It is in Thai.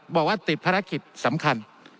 บอกว่าติดภารกิจสำคัญ